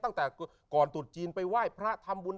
ตั้งแต่ก่อนตุดจีนไปไหว้พระทำบุญ